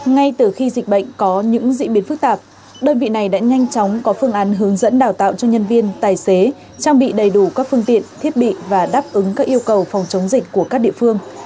ngay từ khi dịch bệnh có những diễn biến phức tạp đơn vị này đã nhanh chóng có phương án hướng dẫn đào tạo cho nhân viên tài xế trang bị đầy đủ các phương tiện thiết bị và đáp ứng các yêu cầu phòng chống dịch của các địa phương